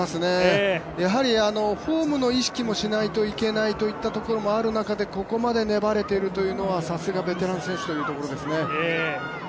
やはりフォームの意識もしないといけないといったところもある中でここまで粘れているというのは、さすがベテラン選手というところですね。